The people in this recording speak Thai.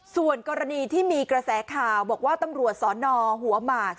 ส่วนกรณีที่มีกระแสข่าวบอกว่าตำรวจสนหัวหมาก